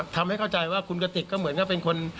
ทำให้เข้าใจว่าคุณกติกก็เหมือนก็เป็นคน